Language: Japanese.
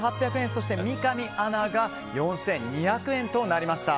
そして三上アナが４２００円となりました。